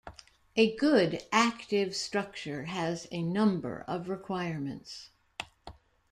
A good active structure has a number of requirements.